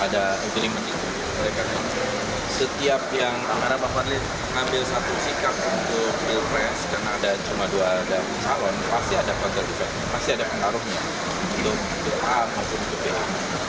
karena ada cuma dua calon pasti ada pengaruhnya untuk bpa maupun bpa